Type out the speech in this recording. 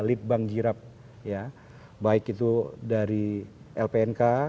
lead bank girap baik itu dari lpnk